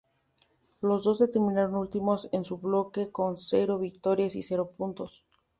Los dos terminaron últimos en su bloque con cero victorias y cero puntos.